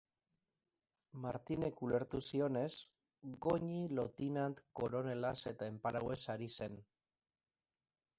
Martinek ulertu zionez, Goñi lotinant-koronelaz eta enparauez ari zen.